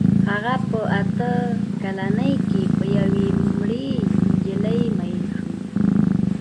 هغه په اته کلنۍ کې په یوې مړې نجلۍ مین شو